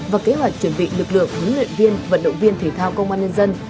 và kế hoạch chuẩn bị lực lượng huấn luyện viên vận động viên thể thao công an nhân dân